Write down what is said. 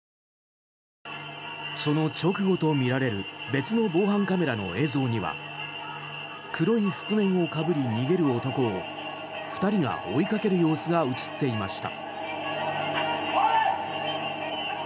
その直後とみられる別の防犯カメラの映像には黒い覆面をかぶり、逃げる男を２人が追いかける様子が映っていました。